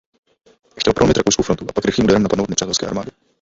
Chtěl prolomit rakouskou frontu a pak rychlým úderem napadnout nepřátelské armády.